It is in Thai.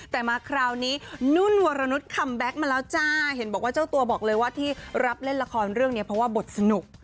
แต่มาคราวนี้นุ่นวรนุษยคัมแบ็คมาแล้วจ้าเห็นบอกว่าเจ้าตัวบอกเลยว่าที่รับเล่นละครเรื่องนี้เพราะว่าบทสนุก